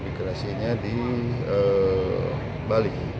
imigrasinya di bali